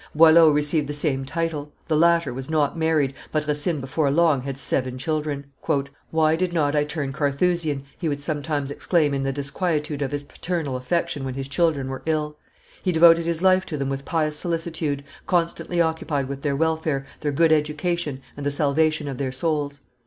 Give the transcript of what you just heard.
Boileau received the same title; the latter was not married, but Racine before long had seven children. "Why did not I turn Carthusian!" he would sometimes exclaim in the disquietude of his paternal affection when his children were ill. He devoted his life to them with pious solicitude, constantly occupied with their welfare, their good education, and the salvation of their souls.